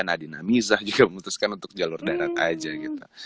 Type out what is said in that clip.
nadina misah juga memutuskan untuk jalur darat aja gitu